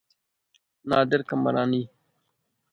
نادر قمبرانی